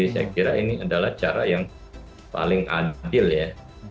saya kira ini adalah cara yang paling adil ya